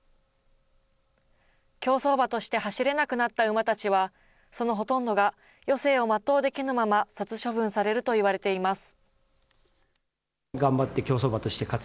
競走馬として走れなくなった馬たちは、そのほとんどが余生を全うできぬまま殺処分されるといわれています。